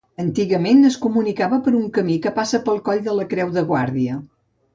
Antigament es comunicava per un camí que passa pel coll de Creu de Guàrdia.